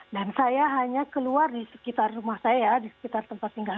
dan saya hanya keluar di sekitar rumah saya di sekitar tempat tinggal